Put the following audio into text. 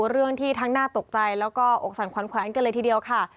เรื่องที่ทั้งน่าตกใจแล้วก็อกสั่นขวัญแขวนกันเลยทีเดียวค่ะ